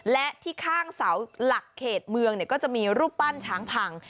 และที่ข้างเสาหลักเขตเมืองก็จะมีรูปปั้นช้างพัง